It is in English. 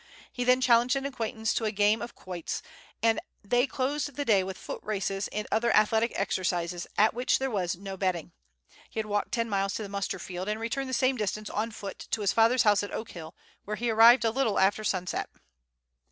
He then challenged an acquaintance to a game of quoits, and they closed the day with foot races and other athletic exercises, at which there was no betting. He had walked ten miles to the muster field, and returned the same distance on foot to his father's house at Oak Hill, where he arrived a little after sunset."